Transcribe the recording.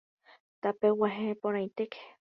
Tapeg̃uahẽporãitéke